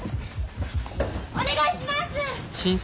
お願いします！